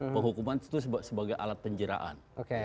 penghukuman itu sebagai alat penjeraan